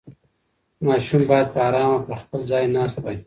ماشوم باید په ارامه په خپل ځای ناست وای.